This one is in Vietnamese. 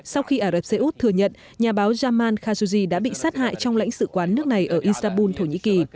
sau khi ả rập xê út thừa nhận nhà báo jamal khashugi đã bị sát hại trong lãnh sự quán nước này ở istanbul thổ nhĩ kỳ